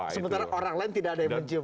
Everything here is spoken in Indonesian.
semetara orang lain tidak ada yang bencium